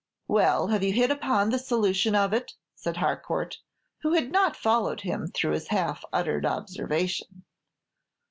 "Well, have you hit upon the solution of it?" said Har court, who had not followed him through his half uttered observation.